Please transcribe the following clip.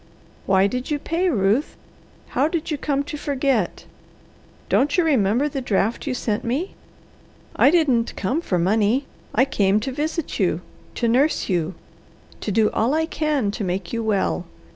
"Why you did pay, Ruth! How did you come to forget? Don't you remember the draft you sent me? I didn't come for money; I came to visit you, to nurse you, to do all I can to make you well.